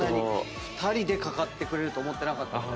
２人でかかってくれると思ってなかったんで。